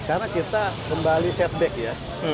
karena kita kembali setback ya